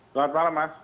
selamat malam mas